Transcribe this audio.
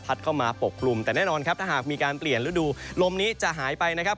เข้ามาปกกลุ่มแต่แน่นอนครับถ้าหากมีการเปลี่ยนฤดูลมนี้จะหายไปนะครับ